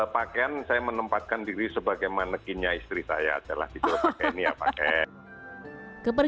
pakaian saya menempatkan diri sebagai manekinnya istri saya adalah di jualan ini ya pak